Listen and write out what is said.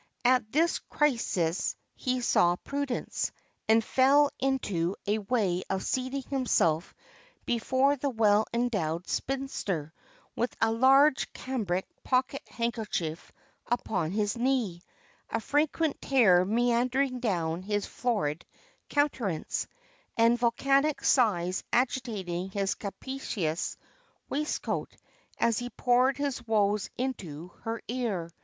At this crisis he saw Prudence, and fell into a way of seating himself before the well endowed spinster, with a large cambric pocket handkerchief upon his knee, a frequent tear meandering down his florid countenance, and volcanic sighs agitating his capacious waistcoat as he poured his woes into her ear.